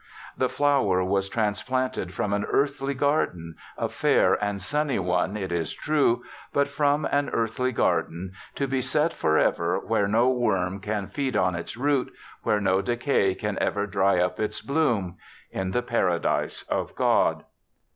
The flower was transplanted from an earthly garden— a fair and sunny one, it is true, but from an earthly garden— to be set forever, where no worm can feed on its root, where no decay can ever dry up its bloom— in the Paradise of God.